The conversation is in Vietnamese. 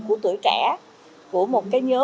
của tuổi trẻ của một cái nhớ